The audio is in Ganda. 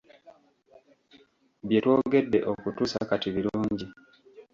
Bye twogedde okutuusa kati birungi.